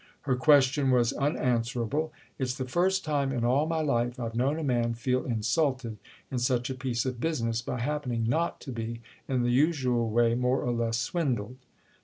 Her question was unanswerable. "It's the first time in all my life I've known a man feel insulted, in such a piece of business, by happening not to be, in the usual way, more or less swindled!"